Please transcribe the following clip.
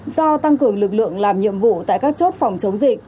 do tăng cường lực lượng làm nhiệm vụ tại các chốt phòng chống dịch